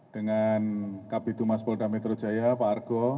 dengan kabupaten dumas polda metro jaya pak argo